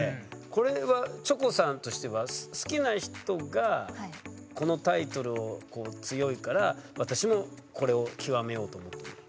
これはチョコさんとしては好きな人がこのタイトルを強いから私もこれを究めようと思ったの？